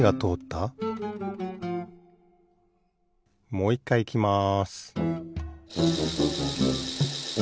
もういっかいいきます